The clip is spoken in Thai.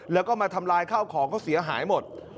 แล้วก็มาทำลายข้าวของเขาเสียหายหมด